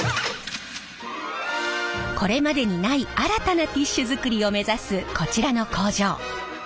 これまでにない新たなティッシュ作りを目指すこちらの工場。